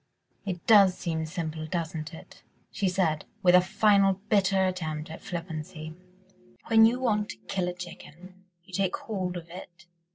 "It does seem simple, doesn't it?" she said, with a final bitter attempt at flippancy, "when you want to kill a chicken ... you take hold of it